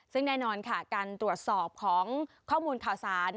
ซึ่งแน่นอนค่ะการตรวจสอบของข้อมูลข่าวสาร